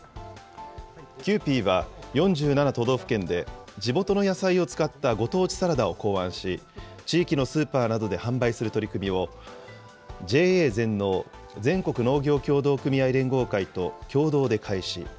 キユーピーは、４７都道府県で地元の野菜を使ったご当地サラダを考案し、地域のスーパーなどで販売する取り組みを、ＪＡ全農・全国農業協同組合連合会と共同で開始。